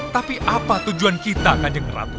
tapi apa tujuan kita kanjeng ratu